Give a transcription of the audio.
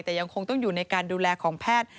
แต่ยังคงต้องอยู่ในการดูแลของแพทย์